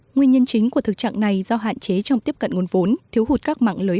nguyên nhân chính của thực trạng này do hạn chế trong tiếp cận nguồn vốn thiếu hụt các mạng lưới